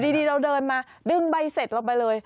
ดีเราเดินมาดึงใบเสร็จเราไปเลย